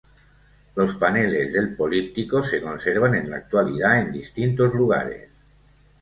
Los paneles del políptico se conservan en la actualidad en distintos lugares.